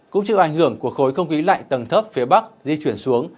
cũng chịu ảnh hưởng của khối không khí lạnh tầng thấp phía bắc di chuyển xuống